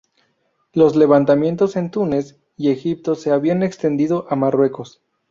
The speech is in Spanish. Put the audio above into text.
Los levantamientos en Túnez y Egipto se habían extendido a Marruecos.